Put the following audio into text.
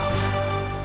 siapa aku sebenarnya